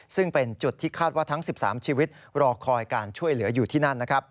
ซึ่งเป็นจุดที่คาดว่าทั้ง๑๓ชีวิตรอคอยการช่วยเหลืออยู่ที่นั่น